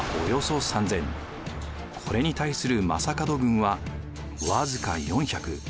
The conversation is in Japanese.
これに対する将門軍は僅か４００。